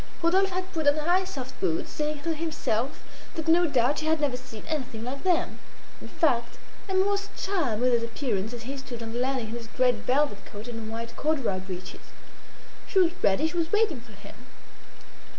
Rodolphe had put on high soft boots, saying to himself that no doubt she had never seen anything like them. In fact, Emma was charmed with his appearance as he stood on the landing in his great velvet coat and white corduroy breeches. She was ready; she was waiting for him.